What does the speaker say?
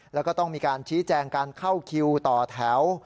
แล้วก็ต้องมีการชี้แจงการเข้าคิวต่อแถว